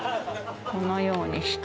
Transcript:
このようにして。